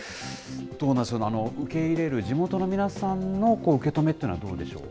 どうなんでしょう、受け入れる地元の皆さんの受け止めっていうのはどうでしょう。